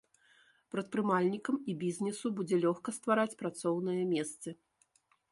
Прадпрымальнікам і бізнесу будзе лёгка ствараць працоўныя месцы.